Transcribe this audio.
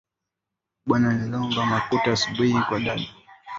Bana nilomba makuta asubui kwa dada